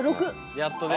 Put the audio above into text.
やっとね。